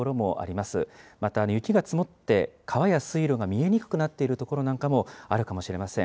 また、雪が積もって川や水路が見えにくくなっている所なんかもあるかもしれません。